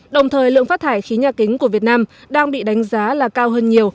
đồng thời lượng phát thải khí nhà kính của việt nam đang bị đánh giá là cao hơn nhiều